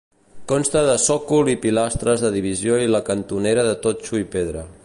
Consta de sòcol i pilastres de divisió i la cantonera de totxo i pedra.